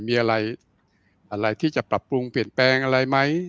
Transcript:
มีอะไรที่จะปรับปรุงเปลี่ยนแปลงอะไรไหม